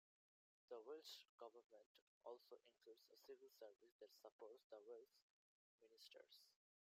The Welsh Government also includes a civil service that supports the Welsh ministers.